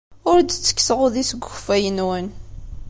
Ur d-ttekkseɣ udi seg ukeffay-nwen.